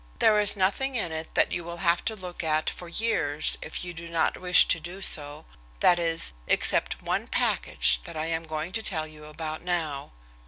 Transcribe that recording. "There is nothing in it that you will have to look at for years if you do not wish to do so that is, except one package that I am going to tell you about now."